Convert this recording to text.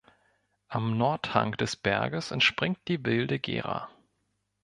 Am Nordhang des Berges entspringt die Wilde Gera.